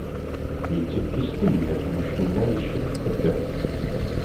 Yettiki s timmad n ucennay Crif Xeddam.